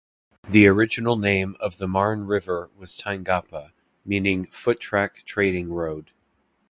The original name of the Marne River was Taingappa, meaning footrack-trading road.